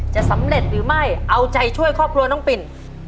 จะสำเร็จหรือไม่เอาใจช่วยครอบครัวน้องปิ่น